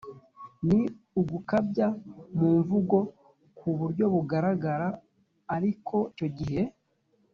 ni ugukabya mu mvugo ku buryo bugaragara ariko icyo gihe